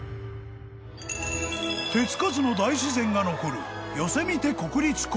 ［手付かずの大自然が残る］